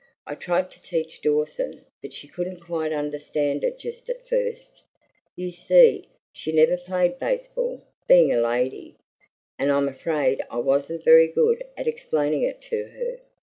I tried to teach Dawson, but she couldn't quite understand it just at first you see, she never played baseball, being a lady; and I'm afraid I wasn't very good at explaining it to her.